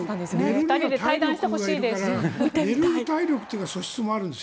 ２人で対談してほしいです。